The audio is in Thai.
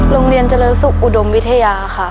โรงเรียนเจริญสุขอุดมวิทยาค่ะ